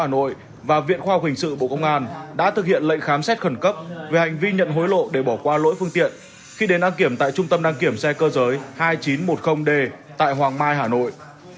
hà nội và viện khoa học hình sự bộ công an đã thực hiện lệnh khám xét khẩn cấp về hành vi nhận hối lộ để bỏ qua lỗi phương tiện khi đến đăng kiểm tại trung tâm đăng kiểm xe cơ giới hai nghìn chín trăm một mươi d tại hoàng mai hà nội